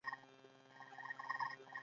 پروژې لرو او د خلکو خدمت د ځان ویاړ بولو.